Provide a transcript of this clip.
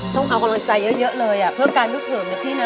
ต้องเอากำลังใจเยอะเลยเพื่อการนึกเหิมนะพี่นะ